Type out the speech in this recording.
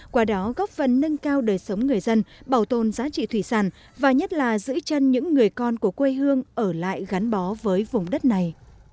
qua đó góp phần nâng cao đời sống người dân bảo tồn giá trị thủy sản và nhất là giữ chân những người con của quê hương ở lại gắn bó với vùng đất này